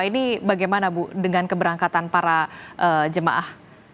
ini bagaimana bu dengan keberangkatan para jemaah